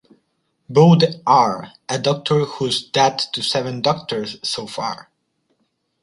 Bode R. A Doctor Who’s Dad to Seven Doctors—So Far!